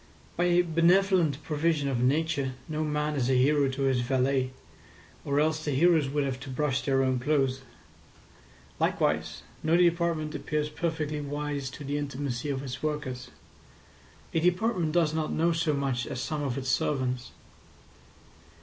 By a benevolent provision of Nature no man is a hero to his valet, or else the heroes would have to brush their own clothes. Likewise no department appears perfectly wise to the intimacy of its workers. A department does not know so much as some of its servants.